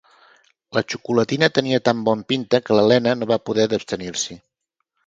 La xocolatina tenia tan bon pinta que la Lenna no va poder abstenir-s'hi.